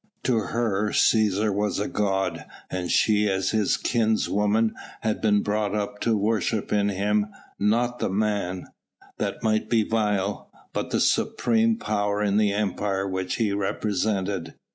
To her Cæsar was as a god, and she as his kinswoman had been brought up to worship in him not the man that might be vile but the supreme power in the Empire which he represented.